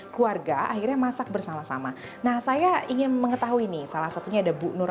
keluarga akhirnya masak bersama sama nah saya ingin mengetahui nih salah satunya ada bu nur